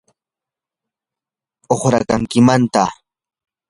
uqrakankimantaq.